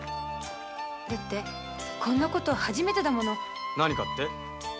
だってこんな事初めてだもの。何かって？